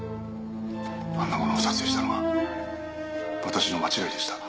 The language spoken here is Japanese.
「あんなものを撮影したのは私の間違いでした」